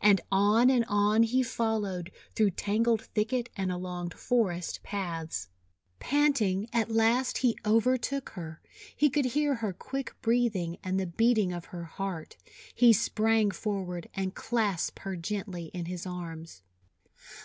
And on and on he fol lowed, through tangled thicket and along forest paths. Panting, at last he overtook her. He could hear her quick breathing and the beating of her heart. He sprang forward and clasped her gently in his arms.